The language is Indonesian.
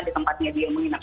di tempatnya dia menginap